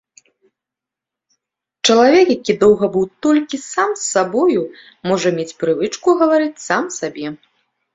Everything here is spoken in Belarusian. Чалавек, які доўга быў толькі сам з сабою, можа мець прывычку гаварыць сам сабе.